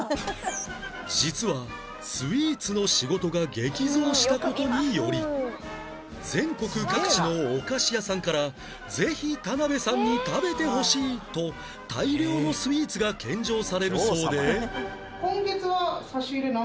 実はスイーツの仕事が激増した事により全国各地のお菓子屋さんからぜひ田辺さんに食べてほしいと大量のスイーツが献上されるそうで